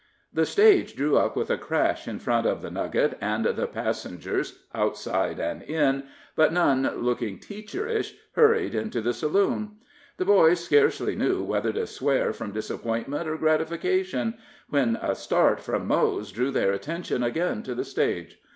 The stage drew up with a crash in front of The Nugget, and the passengers, outside and in, but none looking teacherish, hurried into the saloon. The boys scarcely knew whether to swear from disappointment or gratification, when a start from Mose drew their attention again to the stage.